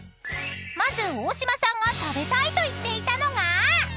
［まず大島さんが食べたいと言っていたのが］